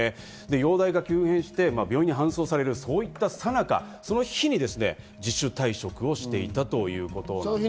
容体が急変して病院に搬送される、そういったさなか、その日に自主退職をしていたということなんです。